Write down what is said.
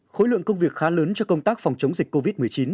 khối lượng công việc khá lớn cho công tác phòng chống dịch covid một mươi chín